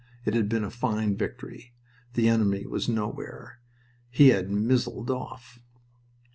It had been a fine victory. The enemy was nowhere. He had "mizzled off."